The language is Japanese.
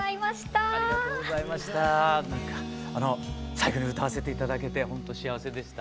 最後に歌わせて頂けてほんと幸せでした。